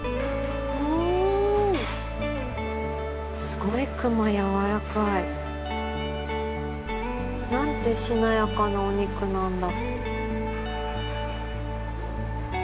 すごい熊やわらかい。なんてしなやかなお肉なんだ。